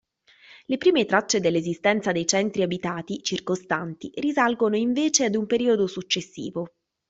Le prime tracce dell'esistenza dei centri abitati circostanti risalgono invece ad un periodo successivo.